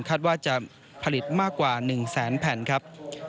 คาดว่าจะผลิตมากกว่า๑แสนแผ่นครับ